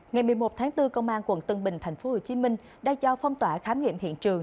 ngày một mươi một tháng bốn công an quận tân bình tp hcm đã cho phong tỏa khám nghiệm hiện trường